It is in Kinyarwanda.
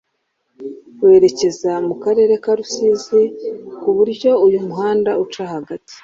werekeza mu karere ka Rusizi ku buryo uyu muhanda uca hagati